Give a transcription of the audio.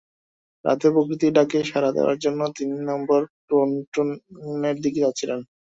রাতে প্রকৃতির ডাকে সাড়া দেওয়ার জন্য তিন নম্বর পন্টুনের দিকে যাচ্ছিলেন।